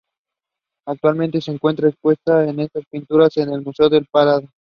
Actualmente se encuentran expuestas estas pinturas en el Museo del Prado.